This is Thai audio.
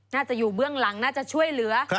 น่าจะอยู่เบื้องหลังน่าจะช่วยเหลือ